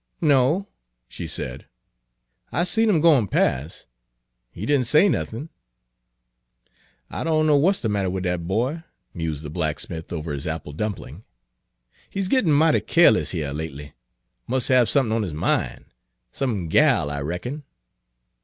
"No," she said; "I seen him goin' pas'; he did n' say nothin'." "I dunno w'at's de matter wid dat boy," mused the blacksmith over his apple dumpling. "He 's gittin' mighty keerless heah lately; mus' hab sump'n' on 'is min', some gal' I reckon."